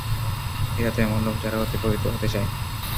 এরা তো এমন লোক যারা অতি পবিত্র হতে চায়।